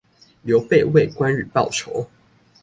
劉備為關羽報仇